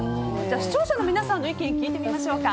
視聴者の皆さんの意見聞いてみましょうか。